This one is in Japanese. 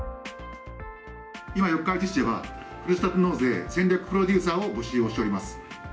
今、四日市市ではふるさと納税戦略プロデューサーを募集をしておりま